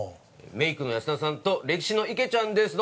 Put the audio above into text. メイクの安田さんとレキシの池ちゃんです。